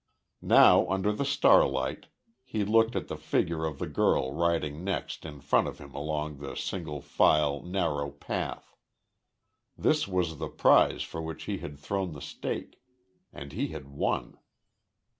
Now, under the starlight, he looked at the figure of the girl riding next in front of him along the single file, narrow path. This was the prize for which he had thrown the stake and he had won.